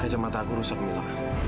kacamata aku rusak mila